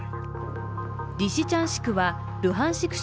リシチャンシクはルハンシク